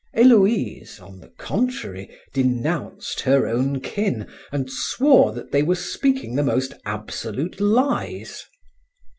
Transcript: Héloïse, on the contrary, denounced her own kin and swore that they were speaking the most absolute lies.